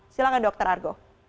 silahkan dokter argo